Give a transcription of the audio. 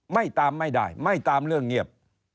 ไม่ตามไม่ได้ไม่ตามเรื่องเงียบ